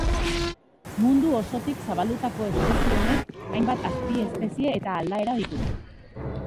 Mundu osotik zabaldutako espezie honek hainbat azpiespezie eta aldaera ditu.